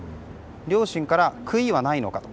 両親から悔いはないのかと。